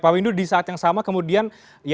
pak windu di saat yang sama kemudian